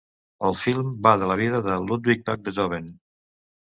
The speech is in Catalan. El film va de la vida de Ludwig van Beethoven.